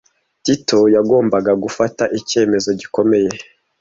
Tito yagombaga gufata icyemezo gikomeye.